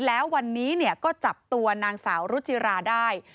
แล้ววันนี้ก็จับตัวนางสาวรุจิราได้